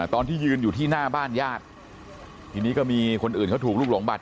ตอนที่ยืนอยู่ที่หน้าบ้านญาติทีนี้ก็มีคนอื่นเขาถูกลูกหลงบัด